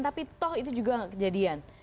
tapi toh itu juga kejadian